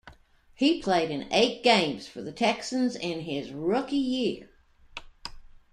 He played in eight games for the Texans in his rookie year.